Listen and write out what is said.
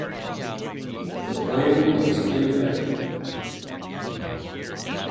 The plan was ineffective.